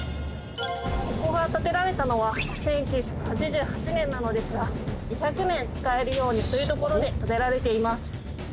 ここが建てられたのは１９８８年なのですが２００年使えるようにする所で建てられています